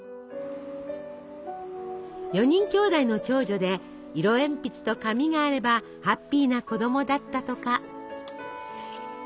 ４人きょうだいの長女で色鉛筆と紙があればハッピーな子どもだったとか。